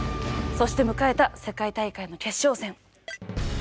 そして迎えた世界大会の決勝戦。